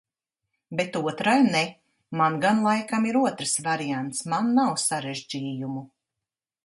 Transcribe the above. Bet otrai ne. Man gan laikam ir otrs variants-man nav sarežģījumu.